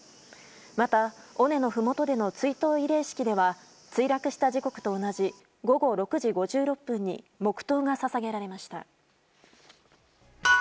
また、尾根のふもとでの追悼慰霊式では墜落した時刻と同じ午後６時５６分に黙祷が捧げられました。